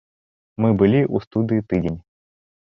Мы былі ў студыі тыдзень.